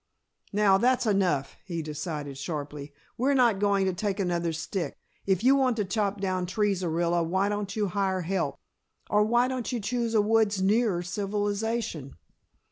"Now, that's enough," he decided sharply. "We're not going to take another stick. If you want to chop down trees, Orilla, why don't you hire help? Or why don't you choose a woods nearer civilization?"